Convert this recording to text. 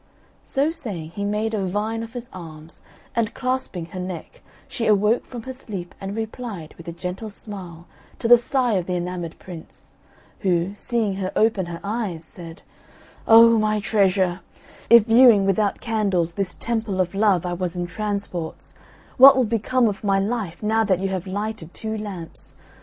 So saying he made a vine of his arms, and clasping her neck, she awoke from her sleep and replied, with a gentle smile, to the sigh of the enamoured Prince; who, seeing her open her eyes, said, "O my treasure, if viewing without candles this temple of love I was in transports, what will become of my life now that you have lighted two lamps?